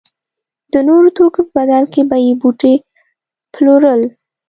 د نورو توکو په بدل کې به یې بوټي پلورل.